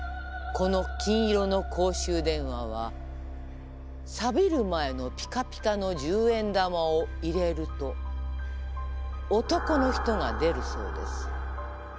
この金色の公衆電話はびる前のピカピカの十円玉を入れると男の人が出るそうです。